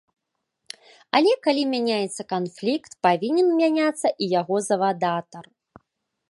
Але калі мяняецца канфлікт, павінен мяняцца і яго завадатар.